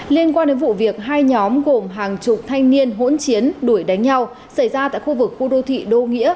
liên quan đến vụ việc hai nhóm gồm hàng chục thanh niên hỗn chiến đuổi đánh nhau xảy ra tại khu vực khu đô thị đô nghĩa